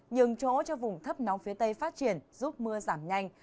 nhường chỗ cho vùng thấp nóng phía tây phát triển giúp mưa giảm nhanh